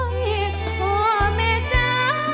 เพลงที่สองเพลงมาครับ